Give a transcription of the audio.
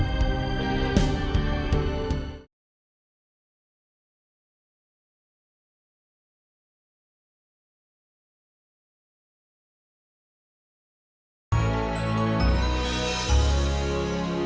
atau mudahimen di bagian